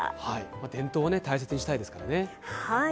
伝統は大切にしたいですからね。